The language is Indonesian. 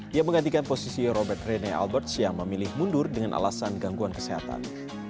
ia menggantikan posisi robert rene alberts yang memilih mundur dengan alasan gangguan kesehatan